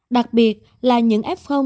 đặc biệt là những f có tiền sử dụng